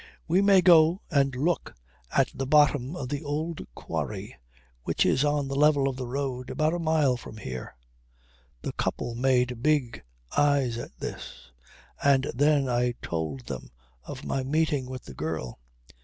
We may go and look at the bottom of the old quarry which is on the level of the road, about a mile from here." The couple made big eyes at this, and then I told them of my meeting with the girl.